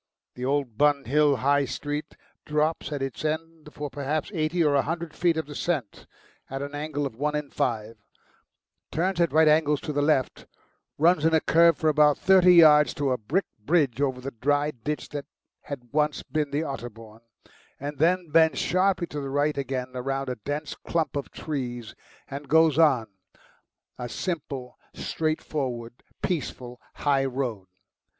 The old Bun Hill High Street drops at its end for perhaps eighty or a hundred feet of descent at an angle of one in five, turns at right angles to the left, runs in a curve for about thirty yards to a brick bridge over the dry ditch that had once been the Otterbourne, and then bends sharply to the right again round a dense clump of trees and goes on, a simple, straightforward, peaceful high road.